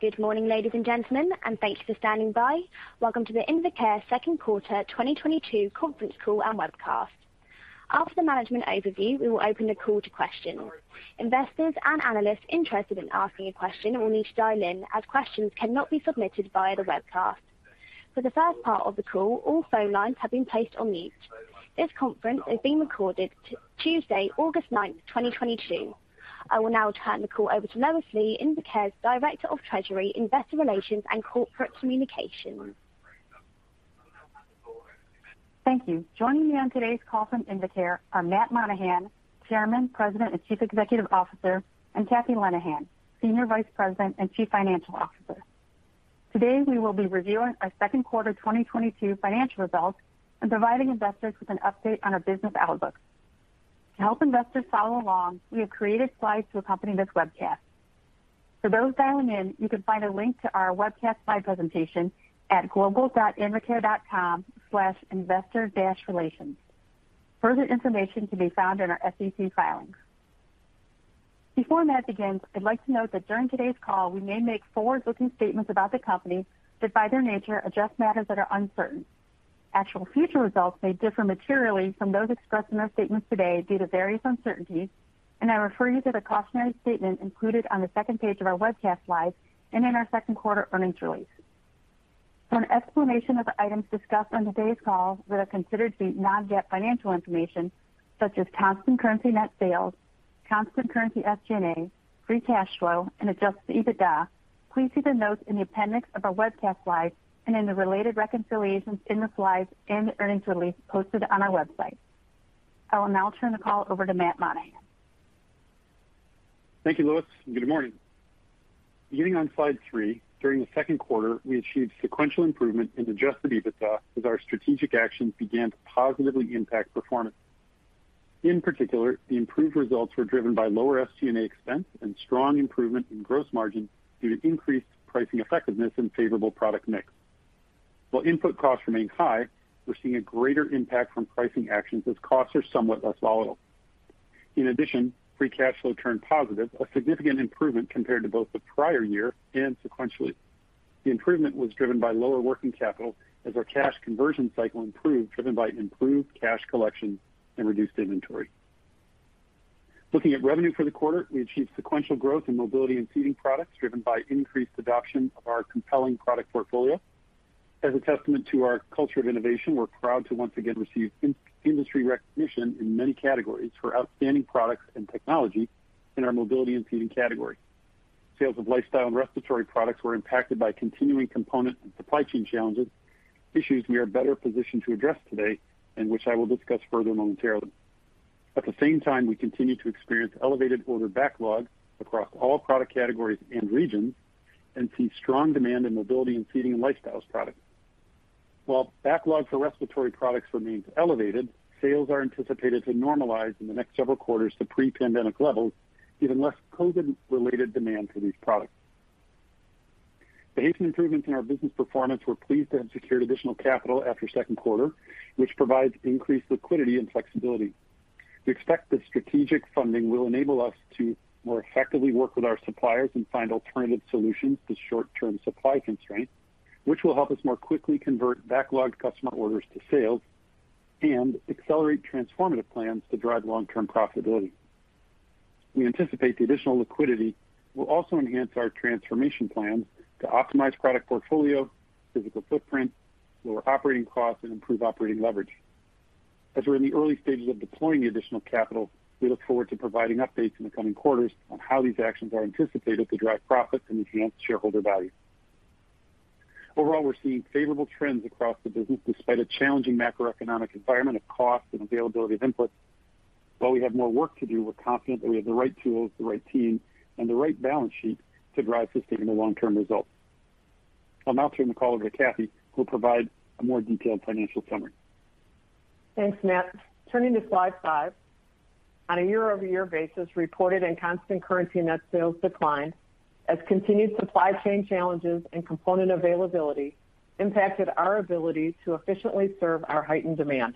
Good morning, ladies and gentlemen, and thanks for standing by. Welcome to the Invacare Second Quarter 2022 Conference Call and Webcast. After the management overview, we will open the call to questions. Investors and analysts interested in asking a question will need to dial in, as questions cannot be submitted via the webcast. For the first part of the call, all phone lines have been placed on mute. This conference is being recorded on Tuesday, August 9, 2022. I will now turn the call over to Lois Lee, Invacare's Director of Treasury, Investor Relations and Corporate Communications. Thank you. Joining me on today's call from Invacare are Matt Monaghan, Chairman, President, and Chief Executive Officer, and Kathy Leneghan, Senior Vice President and Chief Financial Officer. Today, we will be reviewing our second quarter 2022 financial results and providing investors with an update on our business outlook. To help investors follow along, we have created slides to accompany this webcast. For those dialing in, you can find a link to our webcast slide presentation at global.invacare.com/investor-relations. Further information can be found in our SEC filings. Before Matt begins, I'd like to note that during today's call, we may make forward-looking statements about the company that, by their nature, are just matters that are uncertain. Actual future results may differ materially from those expressed in our statements today due to various uncertainties, and I refer you to the cautionary statement included on the second page of our webcast slides and in our second quarter earnings release. For an explanation of items discussed on today's call that are considered to be non-GAAP financial information, such as constant currency net sales, constant currency SG&A, free cash flow, and adjusted EBITDA, please see the notes in the appendix of our webcast slides and in the related reconciliations in the slides and earnings release posted on our website. I will now turn the call over to Matt Monaghan. Thank you, Lois, and good morning. Beginning on slide three, during the second quarter, we achieved sequential improvement in adjusted EBITDA as our strategic actions began to positively impact performance. In particular, the improved results were driven by lower SG&A expense and strong improvement in gross margin due to increased pricing effectiveness and favorable product mix. While input costs remain high, we're seeing a greater impact from pricing actions as costs are somewhat less volatile. In addition, free cash flow turned positive, a significant improvement compared to both the prior year and sequentially. The improvement was driven by lower working capital as our cash conversion cycle improved, driven by improved cash collection and reduced inventory. Looking at revenue for the quarter, we achieved sequential growth in mobility and seating products driven by increased adoption of our compelling product portfolio. As a testament to our culture of innovation, we're proud to once again receive industry recognition in many categories for outstanding products and technology in our mobility and seating category. Sales of lifestyle and respiratory products were impacted by continuing component and supply chain challenges, issues we are better positioned to address today and which I will discuss further momentarily. At the same time, we continue to experience elevated order backlogs across all product categories and regions and see strong demand in mobility and seating and lifestyle products. While backlog for respiratory products remains elevated, sales are anticipated to normalize in the next several quarters to pre-pandemic levels, given less COVID-related demand for these products. Based on improvements in our business performance, we're pleased to have secured additional capital after second quarter, which provides increased liquidity and flexibility. We expect the strategic funding will enable us to more effectively work with our suppliers and find alternative solutions to short-term supply constraints, which will help us more quickly convert backlogged customer orders to sales and accelerate transformative plans to drive long-term profitability. We anticipate the additional liquidity will also enhance our transformation plans to optimize product portfolio, physical footprint, lower operating costs, and improve operating leverage. As we're in the early stages of deploying the additional capital, we look forward to providing updates in the coming quarters on how these actions are anticipated to drive profits and enhance shareholder value. Overall, we're seeing favorable trends across the business despite a challenging macroeconomic environment of cost and availability of inputs. While we have more work to do, we're confident that we have the right tools, the right team, and the right balance sheet to drive sustainable long-term results. I'll now turn the call over to Kathy, who will provide a more detailed financial summary. Thanks, Matt. Turning to slide five. On a year-over-year basis, reported and constant currency net sales declined as continued supply chain challenges and component availability impacted our ability to efficiently serve our heightened demand.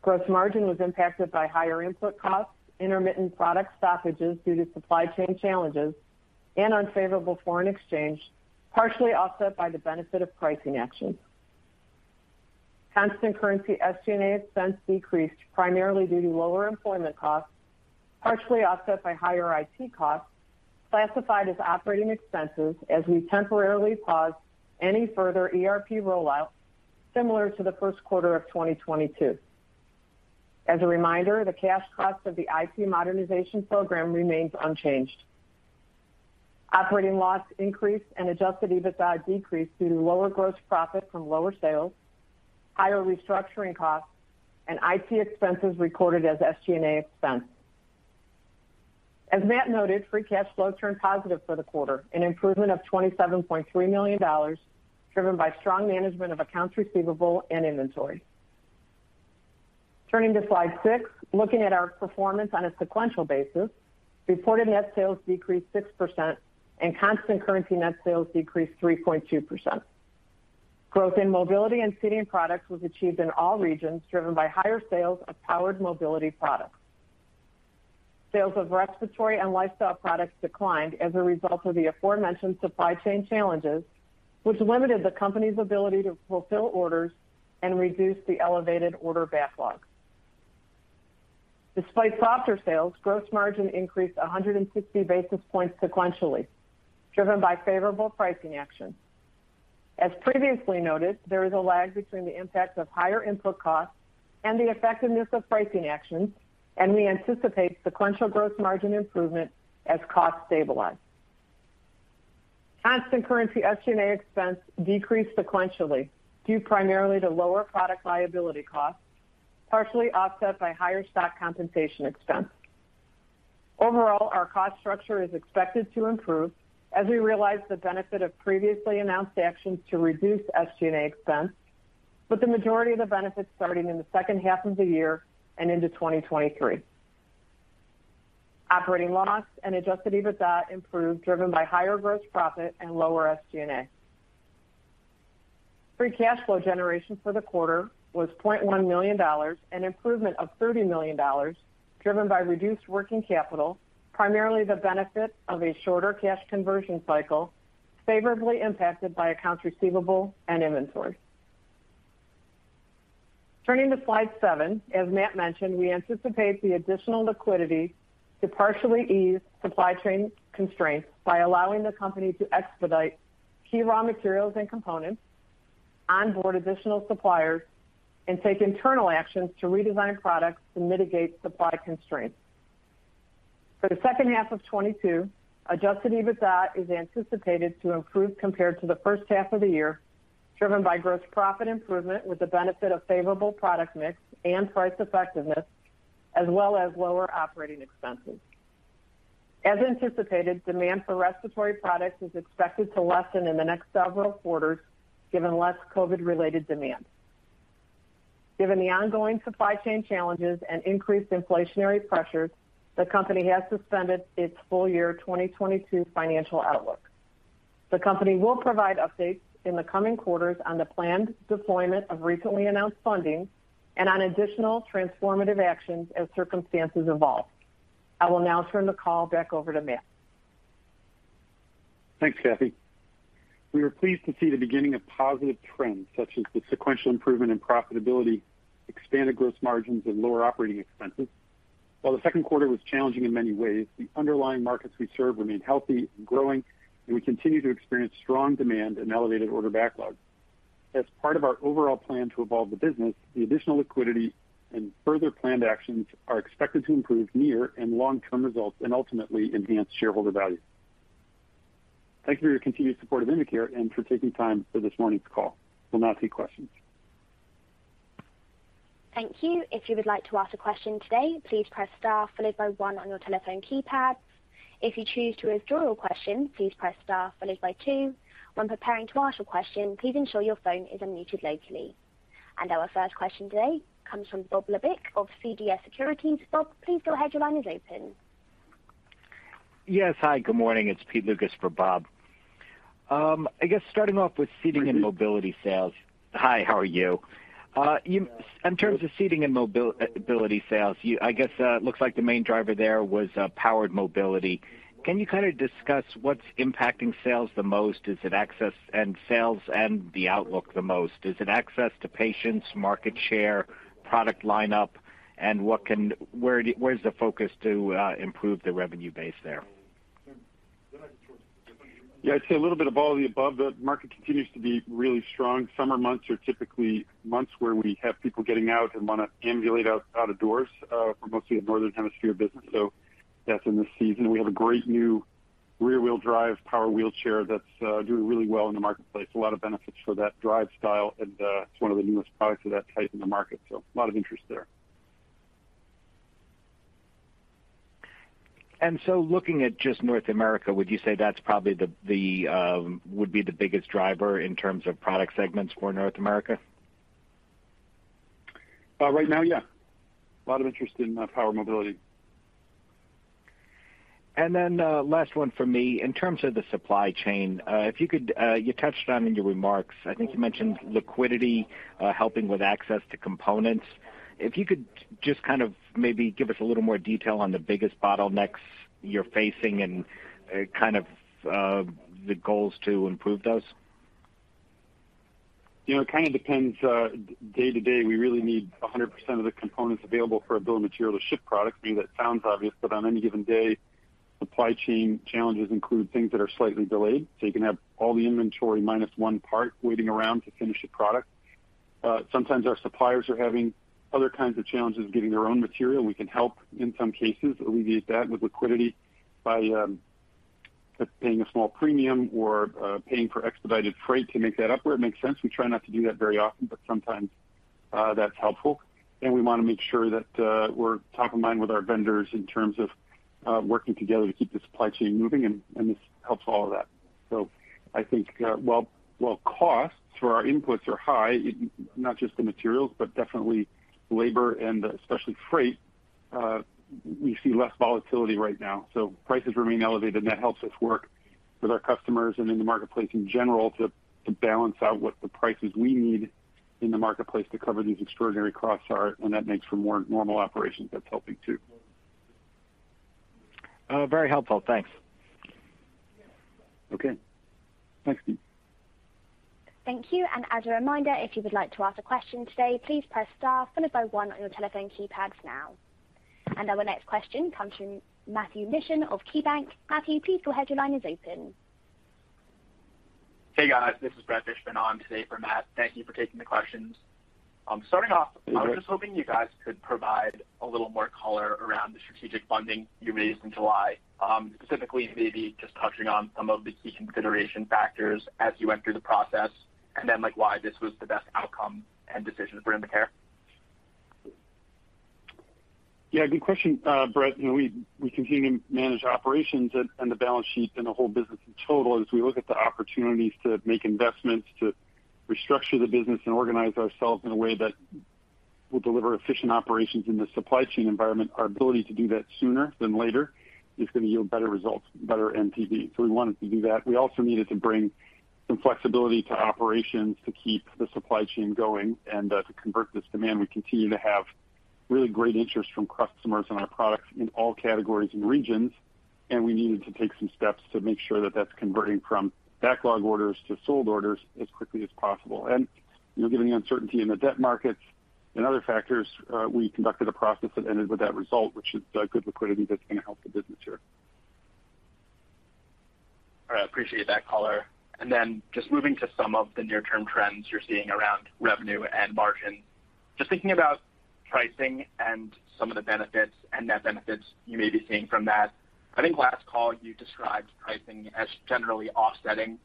Gross margin was impacted by higher input costs, intermittent product stoppages due to supply chain challenges, and unfavorable foreign exchange, partially offset by the benefit of pricing actions. Constant currency SG&A expense decreased primarily due to lower employment costs, partially offset by higher IT costs classified as operating expenses as we temporarily paused any further ERP rollout, similar to the first quarter of 2022. As a reminder, the cash cost of the IT modernization program remains unchanged. Operating loss increased and adjusted EBITDA decreased due to lower gross profit from lower sales, higher restructuring costs, and IT expenses recorded as SG&A expense. As Matt noted, free cash flow turned positive for the quarter, an improvement of $27.3 million, driven by strong management of accounts receivable and inventory. Turning to slide six, looking at our performance on a sequential basis, reported net sales decreased 6% and constant currency net sales decreased 3.2%. Growth in mobility and seating products was achieved in all regions, driven by higher sales of powered mobility products. Sales of respiratory and lifestyle products declined as a result of the aforementioned supply chain challenges, which limited the company's ability to fulfill orders and reduce the elevated order backlog. Despite softer sales, gross margin increased 160 basis points sequentially, driven by favorable pricing action. As previously noted, there is a lag between the impact of higher input costs and the effectiveness of pricing actions, and we anticipate sequential gross margin improvement as costs stabilize. Constant currency SG&A expense decreased sequentially, due primarily to lower product liability costs, partially offset by higher stock compensation expense. Overall, our cost structure is expected to improve as we realize the benefit of previously announced actions to reduce SG&A expense, with the majority of the benefits starting in the second half of the year and into 2023. Operating loss and adjusted EBITDA improved, driven by higher gross profit and lower SG&A. Free cash flow generation for the quarter was $0.1 million, an improvement of $30 million, driven by reduced working capital, primarily the benefit of a shorter cash conversion cycle, favorably impacted by accounts receivable and inventory. Turning to slide seven, as Matt mentioned, we anticipate the additional liquidity to partially ease supply chain constraints by allowing the company to expedite key raw materials and components, onboard additional suppliers, and take internal actions to redesign products to mitigate supply constraints. For the second half of 2022, adjusted EBITDA is anticipated to improve compared to the first half of the year, driven by gross profit improvement with the benefit of favorable product mix and price effectiveness, as well as lower operating expenses. As anticipated, demand for respiratory products is expected to lessen in the next several quarters given less COVID-related demand. Given the ongoing supply chain challenges and increased inflationary pressures, the company has suspended its full year 2022 financial outlook. The company will provide updates in the coming quarters on the planned deployment of recently announced funding and on additional transformative actions as circumstances evolve. I will now turn the call back over to Matt. Thanks, Kathy. We were pleased to see the beginning of positive trends such as the sequential improvement in profitability, expanded gross margins and lower operating expenses. While the second quarter was challenging in many ways, the underlying markets we serve remain healthy and growing, and we continue to experience strong demand and elevated order backlogs. As part of our overall plan to evolve the business, the additional liquidity and further planned actions are expected to improve near and long-term results and ultimately enhance shareholder value. Thank you for your continued support of Invacare and for taking time for this morning's call. We'll now take questions. Thank you. If you would like to ask a question today, please press star followed by one on your telephone keypad. If you choose to withdraw your question, please press star followed by two. When preparing to ask your question, please ensure your phone is unmuted locally. Our first question today comes from Bob Labick of CJS Securities. Bob, please go ahead. Your line is open. Yes. Hi, good morning. It's Pete Lucas for Bob Labick. I guess starting off with seating and mobility sales. Hi, Pete. Hi, how are you? In terms of seating and mobility sales, I guess, it looks like the main driver there was powered mobility. Can you kind of discuss what's impacting sales the most? Is it access and sales and the outlook the most? Is it access to patients, market share, product lineup, and where is the focus to improve the revenue base there? Yeah, I'd say a little bit of all of the above. The market continues to be really strong. Summer months are typically months where we have people getting out and want to ambulate out of doors, for mostly the Northern Hemisphere business. That's in the season. We have a great new rear-wheel drive power wheelchair that's doing really well in the marketplace. A lot of benefits for that drive style. It's one of the newest products of that type in the market. A lot of interest there. Looking at just North America, would you say that's probably would be the biggest driver in terms of product segments for North America? Right now, yeah. A lot of interest in power mobility. Last one for me. In terms of the supply chain, if you could, you touched on in your remarks. I think you mentioned liquidity helping with access to components. If you could just kind of maybe give us a little more detail on the biggest bottlenecks you're facing and, kind of, the goals to improve those. You know, it kind of depends, day to day. We really need 100% of the components available for a bill of material to ship product. I mean, that sounds obvious, but on any given day, supply chain challenges include things that are slightly delayed. You can have all the inventory minus one part waiting around to finish a product. Sometimes our suppliers are having other kinds of challenges getting their own material. We can help in some cases alleviate that with liquidity by, paying a small premium or, paying for expedited freight to make that up where it makes sense. We try not to do that very often, but sometimes, that's helpful. We want to make sure that we're top of mind with our vendors in terms of working together to keep the supply chain moving, and this helps all of that. I think while costs for our inputs are high, not just the materials, but definitely labor and especially freight, we see less volatility right now. Prices remain elevated, and that helps us work with our customers and in the marketplace in general to balance out what the prices we need in the marketplace to cover these extraordinary costs are, and that makes for more normal operations. That's helping too. Very helpful. Thanks. Okay. Thanks, Pete. Thank you. As a reminder, if you would like to ask a question today, please press star followed by one on your telephone keypads now. Our next question comes from Matthew Mishan of KeyBanc. Matthew, please go ahead. Your line is open. Hey, guys. This is Brett Fishman on today for Matt. Thank you for taking the questions. Starting off- Mm-hmm. ...I was just hoping you guys could provide a little more color around the strategic funding you raised in July. Specifically maybe just touching on some of the key consideration factors as you went through the process and then, like, why this was the best outcome and decision for Invacare. Yeah, good question, Brett. You know, we continue to manage operations and the balance sheet and the whole business in total as we look at the opportunities to make investments to restructure the business and organize ourselves in a way that will deliver efficient operations in the supply chain environment. Our ability to do that sooner than later is gonna yield better results, better NPV. We wanted to do that. We also needed to bring some flexibility to operations to keep the supply chain going and to convert this demand. We continue to have really great interest from customers on our products in all categories and regions, and we needed to take some steps to make sure that that's converting from backlog orders to sold orders as quickly as possible. You know, given the uncertainty in the debt markets and other factors, we conducted a process that ended with that result, which is good liquidity that's gonna help the business here. All right. I appreciate that color. Just moving to some of the near-term trends you're seeing around revenue and margin. Just thinking about pricing and some of the benefits and net benefits you may be seeing from that. I think last call you described pricing as generally offsetting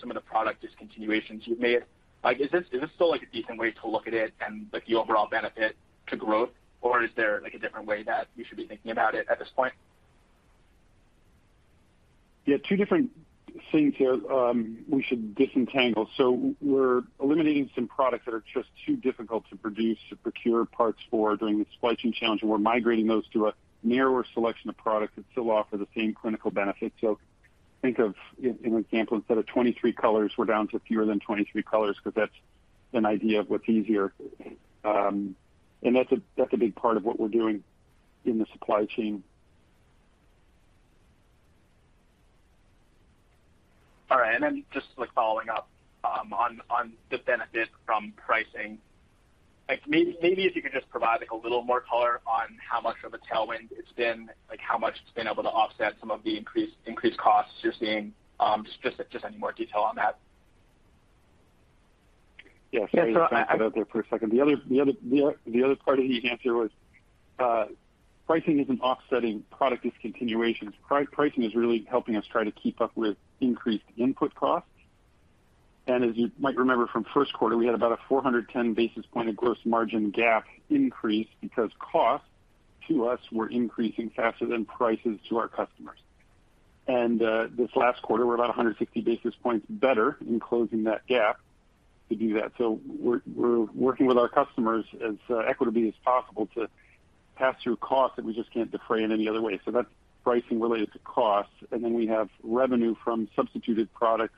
some of the product discontinuations you've made. Like is this still like a decent way to look at it and like the overall benefit to growth, or is there like a different way that we should be thinking about it at this point? Yeah, two different things here, we should disentangle. We're eliminating some products that are just too difficult to produce, to procure parts for during the supply chain challenge, and we're migrating those to a narrower selection of products that still offer the same clinical benefit. Think of an example, instead of 23 colors, we're down to fewer than 23 colors, 'cause that's an idea of what's easier. That's a big part of what we're doing in the supply chain. All right. Just like following up on the benefit from pricing. Like maybe if you could just provide like a little more color on how much of a tailwind it's been, like how much it's been able to offset some of the increased costs you're seeing. Just any more detail on that. Yes. Yeah. Sorry, I cut out there for a second. The other part of the answer was, pricing isn't offsetting product discontinuations. Pricing is really helping us try to keep up with increased input costs. As you might remember from first quarter, we had about a 410 basis points of gross margin gap increase because costs to us were increasing faster than prices to our customers. This last quarter we're about 160 basis points better in closing that gap to do that. We're working with our customers as equitably as possible to pass through costs that we just can't defray in any other way. That's pricing related to cost. Then we have revenue from substituted products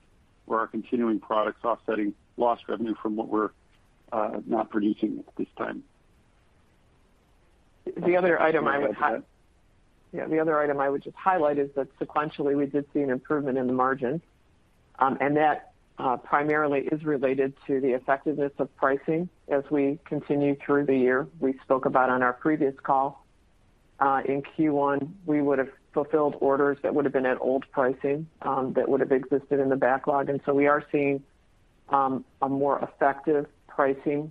or our continuing products offsetting lost revenue from what we're not producing at this time. The other item I would- Sorry about that. Yeah. The other item I would just highlight is that sequentially we did see an improvement in the margin, and that primarily is related to the effectiveness of pricing as we continue through the year. We spoke about on our previous call, in Q1 we would've fulfilled orders that would've been at old pricing, that would've existed in the backlog. We are seeing a more effective pricing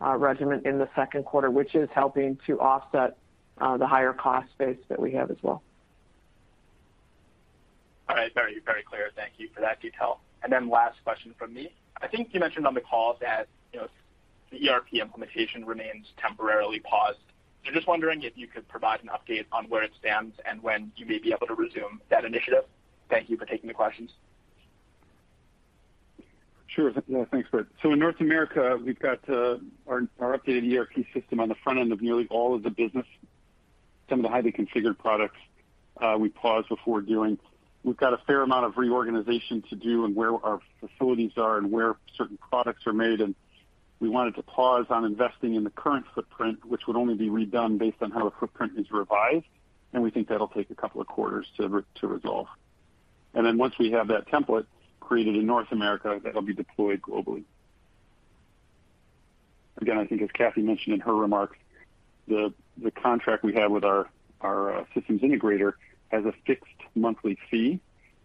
regimen in the second quarter, which is helping to offset the higher cost base that we have as well. All right. Very, very clear. Thank you for that detail. Then last question from me. I think you mentioned on the call that, you know, the ERP implementation remains temporarily paused. Just wondering if you could provide an update on where it stands and when you may be able to resume that initiative. Thank you for taking the questions. Sure. Thanks, Brett. In North America we've got our updated ERP system on the front end of nearly all of the business. Some of the highly configured products we paused before doing. We've got a fair amount of reorganization to do and where our facilities are and where certain products are made, and we wanted to pause on investing in the current footprint, which would only be redone based on how the footprint is revised, and we think that'll take a couple of quarters to resolve. Once we have that template created in North America, that'll be deployed globally. Again, I think as Kathy mentioned in her remarks, the contract we have with our systems integrator has a fixed monthly fee.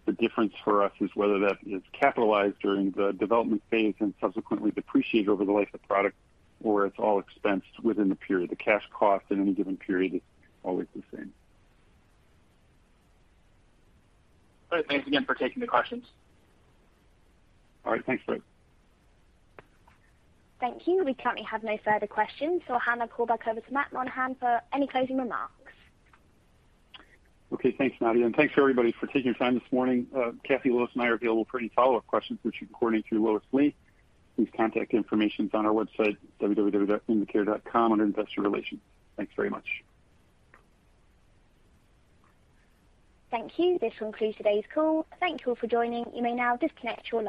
The difference for us is whether that is capitalized during the development phase and subsequently depreciated over the life of product, or it's all expensed within the period. The cash cost in any given period is always the same. All right. Thanks again for taking the questions. All right. Thanks, Brett. Thank you. We currently have no further questions, so I'll hand the call back over to Matt Monaghan for any closing remarks. Okay. Thanks, Nadia, and thanks for everybody for taking your time this morning. Kathy, Lois, and I are available for any follow-up questions which you can coordinate through Lois Lee. Please contact information on our website www.invacare.com under Investor Relations. Thanks very much. Thank you. This will conclude today's call. Thank you all for joining. You may now disconnect your lines.